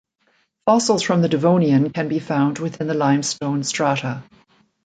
Fossils from the devonian can be found within the limestone strata.